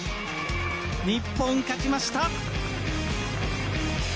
日本、勝ちました！